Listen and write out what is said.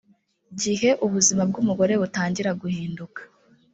gihe ubuzima bw umugore butangira guhinduka